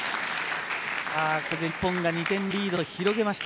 これで日本が２点のリードと広げました。